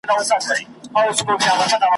خدای یې په برخه کښلی عذاب دی ,